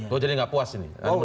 oh jadi nggak puas ini